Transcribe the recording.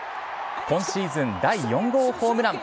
今シーズン、第４号ホームラン。